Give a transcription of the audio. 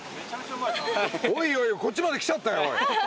おいおいこっちまで来ちゃったよ。